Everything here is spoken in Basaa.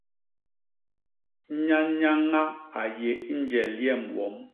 Nyanyaña a yé i njel yem wom.